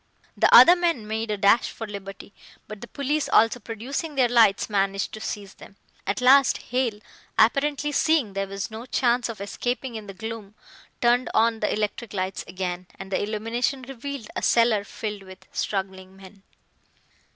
The other men made a dash for liberty, but the police also producing their lights, managed to seize them. At last Hale, apparently seeing there was no chance of escaping in the gloom, turned on the electric lights again, and the illumination revealed a cellar filled with struggling men.